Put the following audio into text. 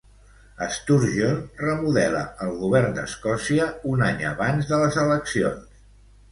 Sturgeon remodela el govern d'Escòcia un any abans de les eleccions.